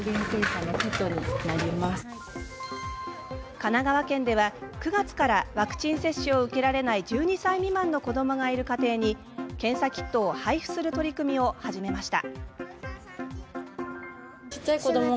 神奈川県では、９月からワクチン接種を受けられない１２歳未満の子どもがいる家庭に検査キットを配布する取り組みを始めました。